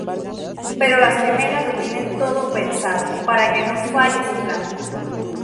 Pero las gemelas lo tienen todo pensado para que no falle su plan.